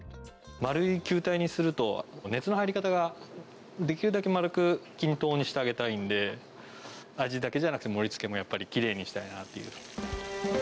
丸い球体にすると、熱の入り方が、できるだけ丸く均等にしてあげたいんで、味だけじゃなくて盛りつけもやっぱりきれいにしたいなっていう。